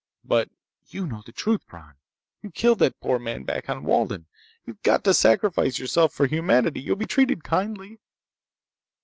But ... you know the truth, Bron! You killed that poor man back on Walden. You've got to sacrifice yourself for humanity! You'll be treated kindly!"